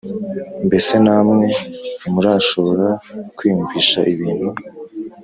Mbese namwe ntimurashobora kwiyumvisha ibintu